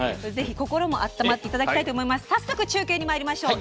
早速中継にまいりましょう。